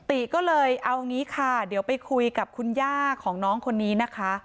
ติก็เลยเอางี้ค่ะเดี๋ยวไปคุยกับคุณย่าของน้องคนนี้นะคะ